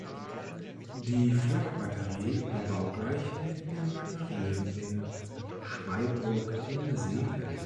Die Flakbatterie war baugleich mit den Batterien in Schweiburg in Seefeld.